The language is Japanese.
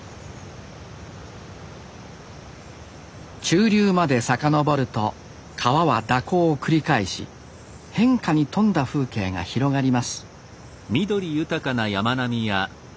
中流まで遡ると川は蛇行を繰り返し変化に富んだ風景が広がります